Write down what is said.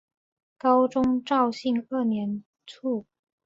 高宗绍兴二年卒。